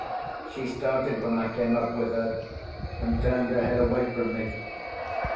She started when I came up with her, and turned her head away from me.